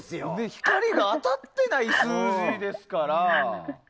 光が当たってない数字ですから。